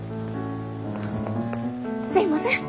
すいません。